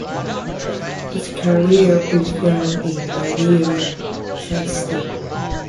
His career began in radio at Sault Ste.